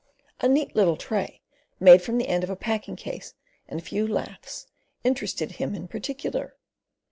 A neat little tray, made from the end of a packing case and a few laths, interested him in particular.